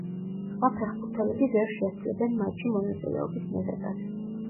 სხვა ფეხბურთელები ვერ შესძლებენ მატჩში მონაწილეობის მიღებას.